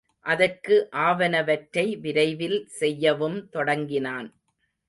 அதற்கு ஆவனவற்றை விரைவில் செய்யவும் தொடங்கினான்.